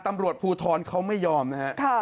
ตำรวจภูทรเขาไม่ยอมนะฮะ